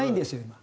今。